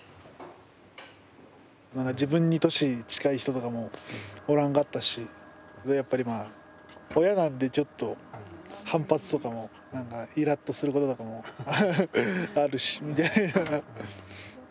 自分に年近い人とかもおらんかったしやっぱりまあ親なんでちょっと反発とかもイラッとすることとかもあるしみたいな。